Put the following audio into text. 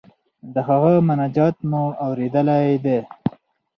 د هغه مناجات مو اوریدلی دی.